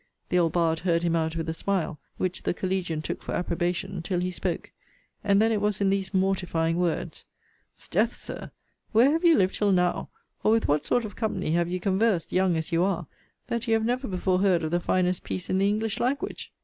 'The old bard heard him out with a smile, which the collegian took for approbation, till he spoke; and then it was in these mortifying words: 'Sdeath, Sir, where have you lived till now, or with what sort of company have you conversed, young as you are, that you have never before heard of the finest piece in the English language?'